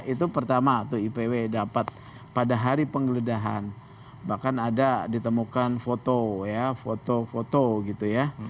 itu pertama tuh ipw dapat pada hari penggeledahan bahkan ada ditemukan foto ya foto foto gitu ya